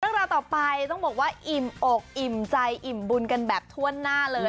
ราวต่อไปต้องบอกว่าอิ่มอกอิ่มใจอิ่มบุญกันแบบถ้วนหน้าเลย